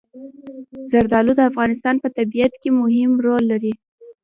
زردالو د افغانستان په طبیعت کې مهم رول لري.